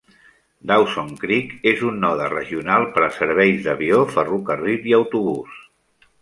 Dawson Creek és un node regional per a serveis d'avió, ferrocarril i autobús.